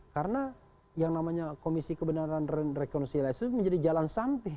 karena yang namanya komisi kebenaran dan reconciliais itu menjadi jalan samping